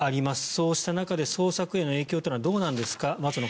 そうした中で捜索への影響はどうなんですか松野